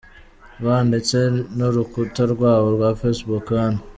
rw ndetse n’urukuta rwabo rwa Facebook hano.